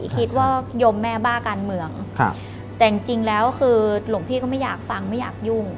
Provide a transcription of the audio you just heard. คิดว่าโยมแม่บ้าการเมืองแต่จริงแล้วคือหลวงพี่ก็ไม่อยากฟังไม่อยากยุ่ง